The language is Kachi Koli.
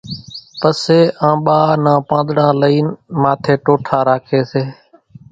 پسيَ آنٻا نان پانۮڙان لئينَ ماٿيَ ٽوٺا راکيَ سي۔